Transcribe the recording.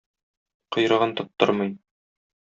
Койрыгын тоттырмый.